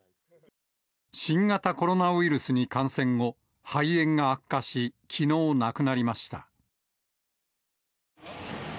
新型コロナウイルスに感染後、肺炎が悪化し、きのう亡くなりました。